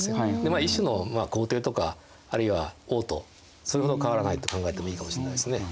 一種の皇帝とかあるいは王とそれほど変わらないと考えてもいいかもしれないですね。